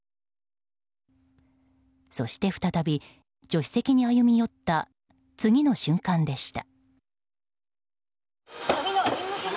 そして再び、助手席に歩み寄った次の瞬間でした。